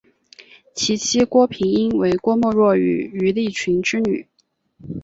其妻郭平英为郭沫若与于立群之女。